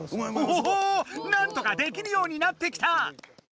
おおなんとかできるようになってきた！